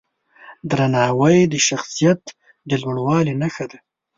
درناوی د شخصیت د لوړوالي نښه ده.